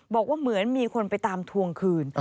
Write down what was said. บอกว่าเหมือนมีคนไปตามทวงคืน